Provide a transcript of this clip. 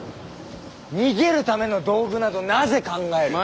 逃げるための道具などなぜ考える。